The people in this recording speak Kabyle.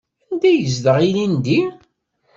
Anda ay yezdeɣ ilindi?